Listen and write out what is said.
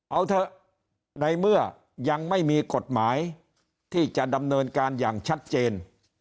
เอาเถอะในเมื่อยังไม่มีกฎหมายที่จะดำเนินการอย่างชัดเจน